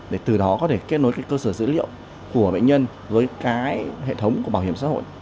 để từ đó có thể kết nối cái cơ sở dữ liệu của bệnh nhân với cái hệ thống của bảo hiểm xã hội